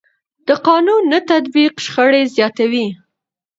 د قانون نه تطبیق شخړې زیاتوي